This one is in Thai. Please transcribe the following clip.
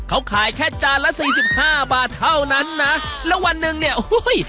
เขาขายแค่จานละสี่สิบห้าบาทเท่านั้นนะแล้ววันหนึ่งเนี่ยโอ้โห